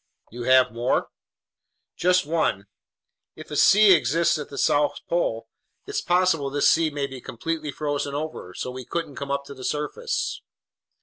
"You have more?" "Just one. If a sea exists at the South Pole, it's possible this sea may be completely frozen over, so we couldn't come up to the surface!"